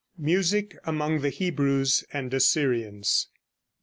MUSIC AMONG THE HEBREWS AND ASSYRIANS.